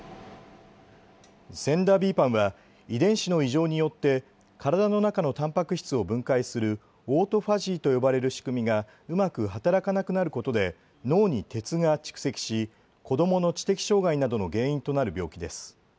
ＳＥＮＤＡ／ＢＰＡＮは遺伝子の異常によって体の中のタンパク質を分解するオートファジーと呼ばれる仕組みがうまく働かなくなることで脳に鉄が蓄積し子どもの知的障害などの原因となる病気です。